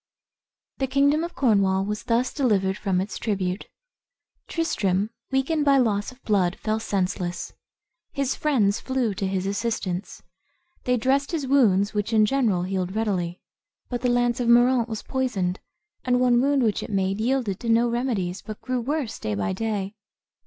The kingdom of Cornwall was thus delivered from its tribute. Tristram, weakened by loss of blood, fell senseless. His friends flew to his assistance. They dressed his wounds, which in general healed readily; but the lance of Moraunt was poisoned, and one wound which it made yielded to no remedies, but grew worse day by day.